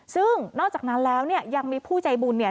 ซึ่งนอกจากนั้นแล้วเนี่ยยังมีผู้ใจบุญเนี่ย